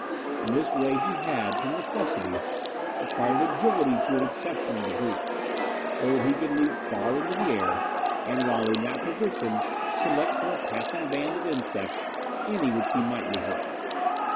In this way he had, from necessity, acquired agility to an exceptional degree, so that he could leap far into the air, and while in that position select from a passing band of insects any which he might desire.